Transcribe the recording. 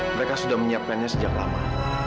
mereka sudah menyiapkannya sejak lama